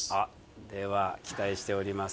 では期待しております。